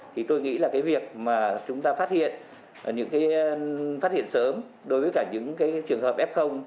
thì tôi nghĩ là cái việc mà chúng ta phát hiện những cái phát hiện sớm đối với cả những cái trường hợp f